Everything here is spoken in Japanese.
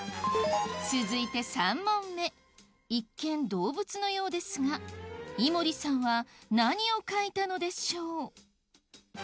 続いて３問目一見動物のようですが井森さんは何を描いたのでしょう？